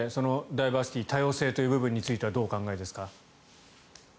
ダイバーシティー多様性という部分に関してはどうお考えですか。